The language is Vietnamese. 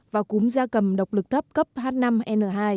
và cúm da cầm độc lực thấp cấp h năm n hai